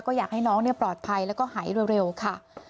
ก็อยากให้น้องปลอดภัยแล้วก็หายเร็วค่ะ